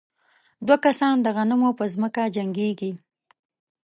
دوه کسان د غنمو په ځمکه جنګېږي.